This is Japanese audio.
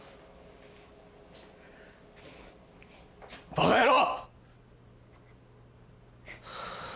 バカ野郎！